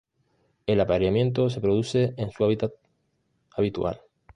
El apareamiento se produce en su hábitat habitual.